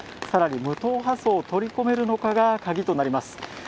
さらに、無党派層を取り込めるのかがカギとなります。